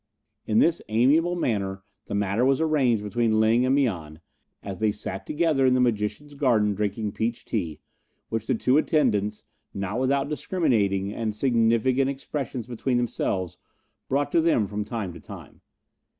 In this amiable manner the matter was arranged between Ling and Mian, as they sat together in the magician's garden drinking peach tea, which the two attendants not without discriminating and significant expressions between themselves brought to them from time to time.